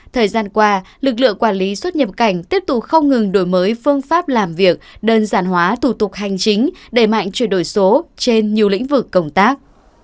thời gian qua lực lượng quản lý xuất nhập cảnh tiếp tục không ngừng đổi mới phương pháp làm việc đơn giản hóa thủ tục hành chính đẩy mạnh chuyển đổi số trên nhiều lĩnh vực công tác